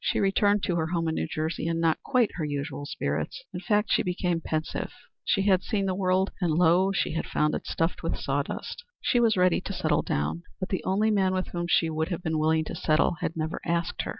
She returned to her home in New Jersey in not quite her usual spirits. In fact she became pensive. She had seen the world, and lo! she found it stuffed with sawdust. She was ready to settle down, but the only man with whom she would have been willing to settle had never asked her.